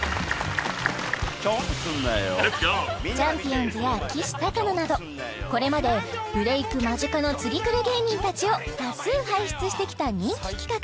おんずやきしたかのなどこれまでブレイク間近の次くる芸人たちを多数輩出してきた人気企画